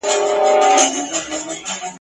د سټیج له سر څخه ..